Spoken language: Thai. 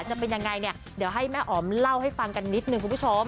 จะเป็นยังไงเนี่ยเดี๋ยวให้แม่อ๋อมเล่าให้ฟังกันนิดนึงคุณผู้ชม